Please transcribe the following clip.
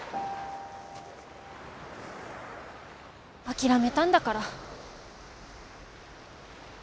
諦めたんだから。